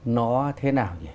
nó thế nào